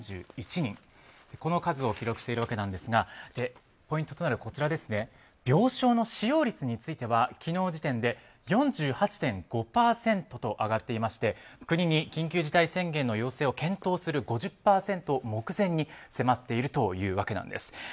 この数を記録しているわけなんですがポイントとなる病床の使用率については昨日時点で４８．５％と上がっていまして国に緊急事態宣言の要請を検討する５０％目前に迫っているというわけなんです。